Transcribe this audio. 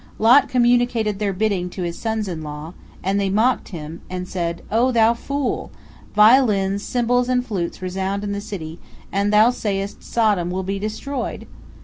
Lot communicated their bidding to his sons in law, and they mocked at him, and said: "O thou fool! Violins, cymbals, and flutes resound in the city, and thou sayest Sodom will be destroyed!"